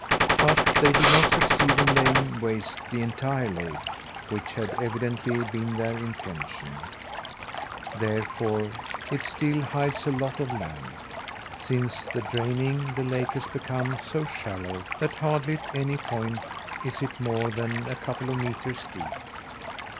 But they did not succeed in laying waste the entire lake which had evidently been their intention therefore it still hides a lot of land. Since the draining the lake has become so shallow that hardly at any point is it more than a couple of metres deep.